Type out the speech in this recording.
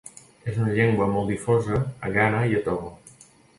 És una llengua molt difosa a Ghana i a Togo.